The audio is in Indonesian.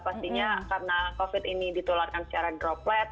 pastinya karena covid ini ditularkan secara droplet